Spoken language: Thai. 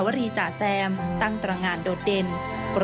ช่วยให้สามารถสัมผัสถึงความเศร้าต่อการระลึกถึงผู้ที่จากไป